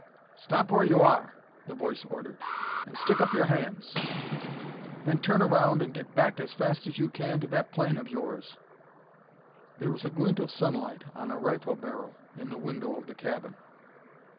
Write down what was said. "Stop where you are," the voice ordered, "and stick up your hands! Then turn around and get back as fast as you can to that plane of yours." There was a glint of sunlight on a rifle barrel in the window of the cabin.